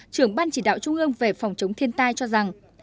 trưởng ban chỉ đạo trung ương về phòng chống thiên tai cho rằng